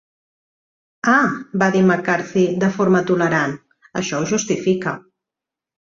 "Ah" va dir Mccarthy de forma tolerant, "això ho justifica".